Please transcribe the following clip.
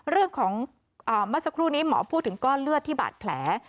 เรื่องของเมื่อสักครู่นี้หมอพูดถึงก้อนเลือดที่บาดแผล